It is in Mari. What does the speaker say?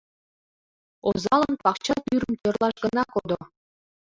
Озалан пакча тӱрым тӧрлаш гына кодо.